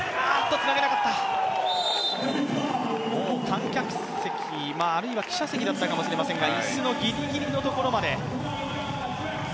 観客席、あるいは記者席だったかもしれませんが、椅子のギリギリのところまで。